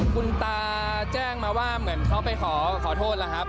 คุณตาแจ้งมาว่าเหมือนเขาไปขอโทษแล้วครับ